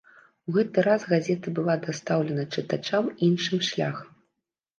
У гэты раз газета была дастаўлена чытачам іншым шляхам.